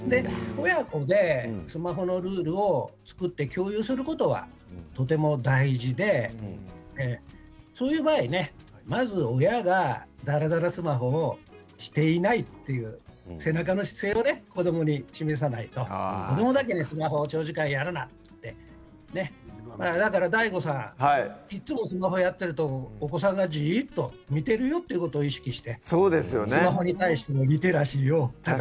親子でスマホのルールを作って共有することはとても大事でそういう場合まず親がだらだらスマホをしていないという背中の姿勢を子どもに示さないと子どもにだけスマホを長時間やるなって、だからＤＡＩＧＯさんいつもスマホをやっているとお子さんがじっと見ているよと意識してスマホに対してのリテラシーをね。